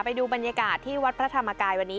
ไปดูบรรยากาศที่วัดพระธรรมกายวันนี้